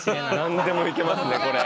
何でもいけますねこれ。